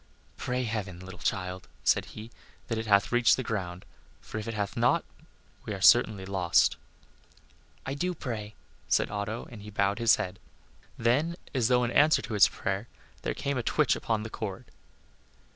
"Pray heaven, little child," said he, "that it hath reached the ground, for if it hath not we are certainly lost." "I do pray," said Otto, and he bowed his head. Then, as though in answer to his prayer, there came a twitch upon the cord.